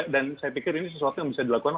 dan saya pikir ini sesuatu yang bisa dilakukan